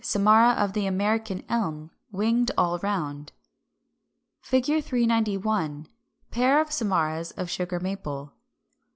Samara of the American Elm, winged all round.] [Illustration: Fig. 391. Pair of samaras of Sugar Maple.